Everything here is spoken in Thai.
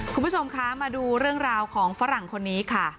คุณผู้ชมคะมาดูเรื่องราวของฝรั่งคนนี้ค่ะ